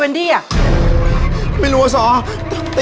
ไม่มีอะไรพี่